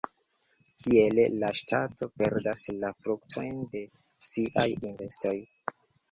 Tiele la ŝtato perdas la fruktojn de siaj investoj.